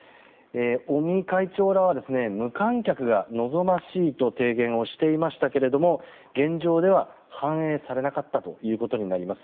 尾身会長らは無観客が望ましいと提言をしていましたけれども現状では、反映されなかったということになります。